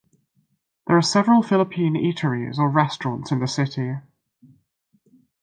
There are several Philippine eateries or restaurants in the city.